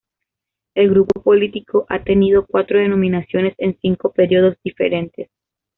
El grupo político ha tenido cuatro denominaciones en cinco periodos diferentes.